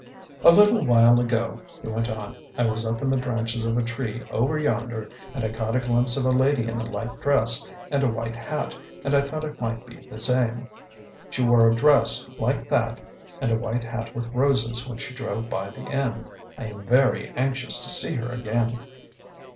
"A little while ago," he went on, "I was up in the branches of a tree over yonder, and I caught a glimpse of a lady in a light dress and a white hat and I thought it might be the same. She wore a dress like that and a white hat with roses when she drove by the inn. I am very anxious to see her again."